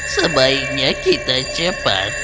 sebaiknya kita cepat